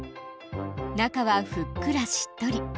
中はふっくらしっとり。